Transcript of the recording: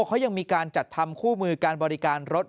เขายังมีการจัดทำคู่มือการบริการรถ